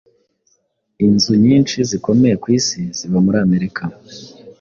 inzu nyinshi zikomeye ku isi ziba muri amerika